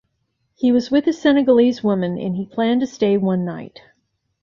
He was with a Senegalese woman and he planned to stay one night.